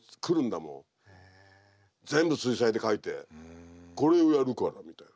全部水彩で描いて「これをやるから」みたいな。